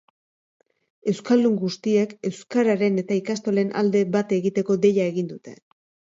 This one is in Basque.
Euskaldun guztiek euskararen eta ikastolen alde bat egiteko deia egin dute.